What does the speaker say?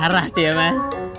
marah dia mas